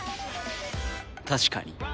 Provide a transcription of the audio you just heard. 確かに。